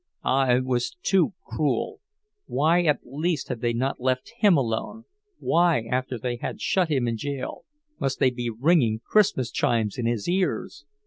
Ah, it was too cruel! Why at least had they not left him alone—why, after they had shut him in jail, must they be ringing Christmas chimes in his ears!